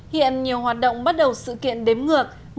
hiện nhiều hoạt động bắt đầu sự kiện đếm ngược